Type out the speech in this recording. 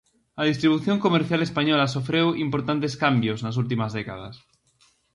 A distribución comercial española sofreu importantes cambios nas últimas décadas.